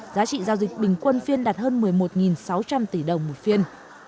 giá trị giao dịch bình quân phiên đạt hơn một mươi một sáu trăm linh tỷ đồng một phiên